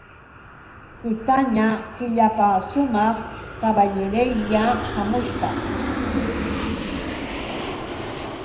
Tutaña killapasumaq kaballerya hamushpa.